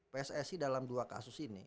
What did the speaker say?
pssi dalam dua kasus ini